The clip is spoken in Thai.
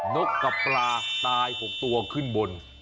นกกับปลาตาย๖ตัวขึ้นบน